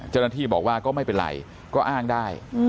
จริงที่บอกว่าก็ไม่เป็นไรก็อ้างได้